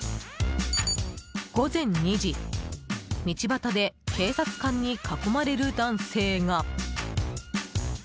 午前２時道端で警察官に囲まれる男性が。